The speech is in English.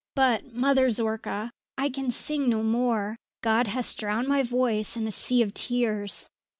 "But, Mother Zorka, I can sing no more; God has drowned my voice in a sea of tears!"